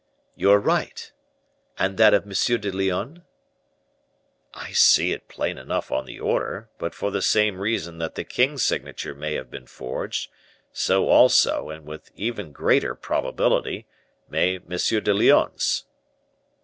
"You are right. And that of M. de Lyonne?" "I see it plain enough on the order; but for the same reason that the king's signature may have been forged, so also, and with even greater probability, may M. de Lyonne's."